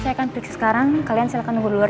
saya kan prikse sekarang kalian silahkan tunggu elu whoo